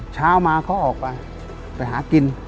เช้ามาเขาออกไปไปหากิน